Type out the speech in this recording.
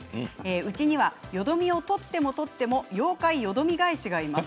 うちには、よどみを取っても取っても妖怪よどみ返しがいます。